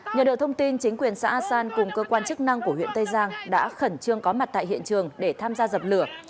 nhờ được thông tin chính quyền xã a san cùng cơ quan chức năng của huyện tây giang đã khẩn trương có mặt tại hiện trường để tham gia dập lửa